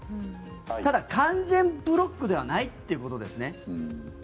ただ、完全ブロックはないということですね。